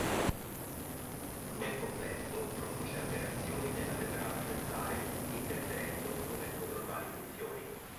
Nel complesso produce alterazioni nella membrana cellulare, interferendo con le sue normali funzioni.